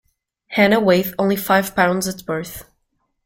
Hannah weighed only five pounds at birth.